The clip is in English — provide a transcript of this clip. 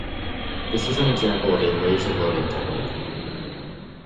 This is an example of a lazy loading technique.